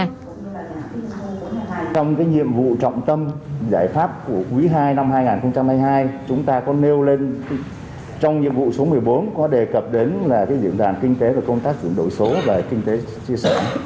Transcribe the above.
trong cái nhiệm vụ trọng tâm giải pháp của quý ii năm hai nghìn hai mươi hai chúng ta có nêu lên trong nhiệm vụ số một mươi bốn có đề cập đến là diễn đàn kinh tế và công tác chuyển đổi số và kinh tế chia sẻ